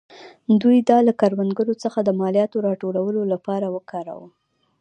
دوی دا له کروندګرو څخه د مالیاتو راټولولو لپاره وکاراوه.